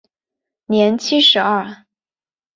年七十二。